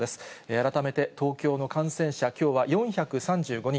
改めて東京の感染者、きょうは４３５人。